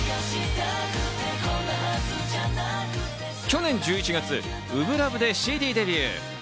去年１１月、『初心ＬＯＶＥ』でＣＤデビュー。